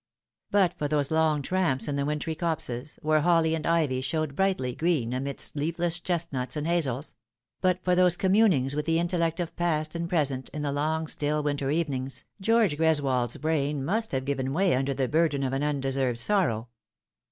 But for those long tramps in the wintry copses, where holly and ivy showed brightly green amidst leafless chestnuts and hazels but for those communings with the intellect of past and present in the long still winter evenings, George Greswold's brain must have given way under the burden of an undeserved sorrow.